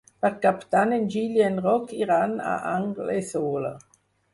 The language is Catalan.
Per Cap d'Any en Gil i en Roc iran a Anglesola.